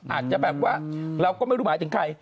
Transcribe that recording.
อาจจะแบบว่าเราก็ไม่รู้หมายถึงใคร